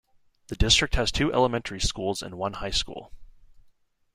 The district has two elementary schools and one high school.